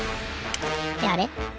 ってあれ？